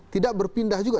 tidak berpindah juga